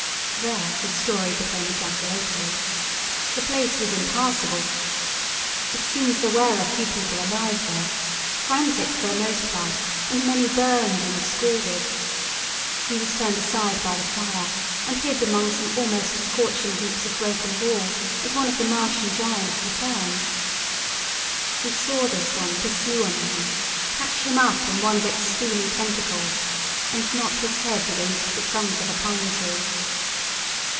There his story became ejaculatory. The place was impassable. It seems there were a few people alive there, frantic for the most part and many burned and scalded. He was turned aside by the fire, and hid among some almost scorching heaps of broken wall as one of the Martian giants returned. He saw this one pursue a man, catch him up in one of its steely tentacles, and knock his head against the trunk of a pine tree.